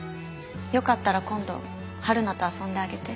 よかったら今度はるなと遊んであげて。